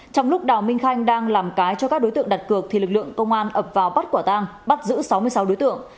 trong lúc đào minh khanh đang làm cái cho các đối tượng đặt cược thì lực lượng công an ập vào bắt quả tang bắt giữ sáu mươi sáu đối tượng